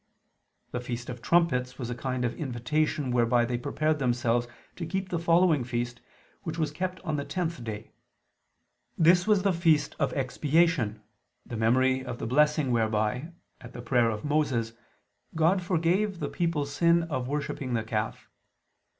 The feast of Trumpets was a kind of invitation whereby they prepared themselves to keep the following feast which was kept on the tenth day. This was the feast of "Expiation," in memory of the blessing whereby, at the prayer of Moses, God forgave the people's sin of worshipping the calf.